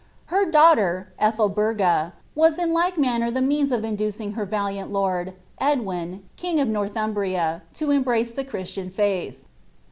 Her daughter, Ethelburga, was in like man ner the means of inducing her valiant lord, Edwin, king of Northum bria, to embrace the Christian faith.